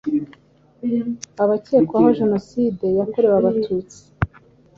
abakekwaho Jenoside yakorewe Abatutsi